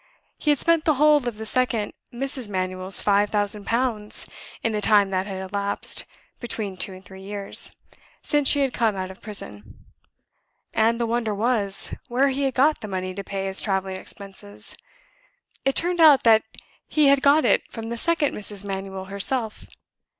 He had spent the whole of the second Mrs. Manuel's five thousand pounds, in the time that had elapsed (between two and three years) since she had come out of prison; and the wonder was, where he had got the money to pay his traveling expenses. It turned out that he had got it from the second Mrs. Manuel herself.